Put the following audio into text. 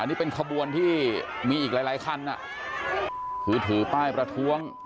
นี่เป็นขบวนที่มีอีกหลายหลายคันคือถือป้ายประท้วง